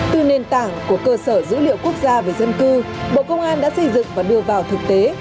từ nền tảng của cơ sở dữ liệu quốc gia về dân cư bộ công an đã xây dựng và đưa vào thực tế